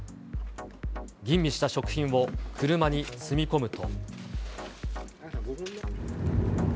吟味した食品を車に積み込むと。